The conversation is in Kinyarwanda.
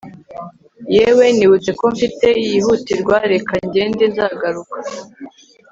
yewe nibutse ko mfite yihutirwa reka ngende nzagaruka